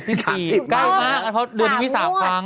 ใกล้มากเพราะเดือนนี้มี๓ครั้ง